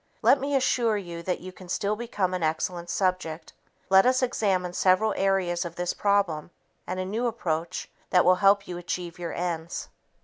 Let me assure you that you can still become an excellent subject. Let us examine several areas of this problem and a new approach that will help you achieve your ends.